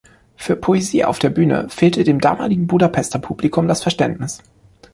Für Poesie auf der Bühne fehlte dem damaligen Budapester Publikum das Verständnis.